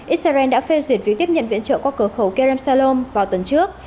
israel đã phê duyệt việc tiếp nhận viện trợ qua cửa khẩu kerem salom vào tuần trước